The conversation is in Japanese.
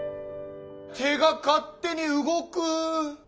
手が勝手に動く。